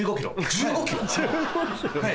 １５ｋｇ。